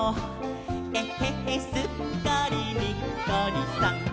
「えへへすっかりにっこりさん！」